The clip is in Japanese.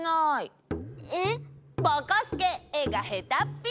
ぼこすけえがへたっぴ！